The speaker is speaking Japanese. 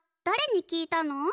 だれに聞いたの？